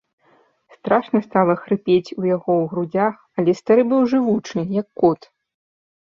Страшна стала хрыпець у яго ў грудзях, але стары быў жывучы, як кот.